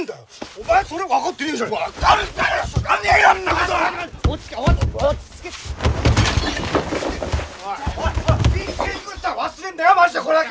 おい。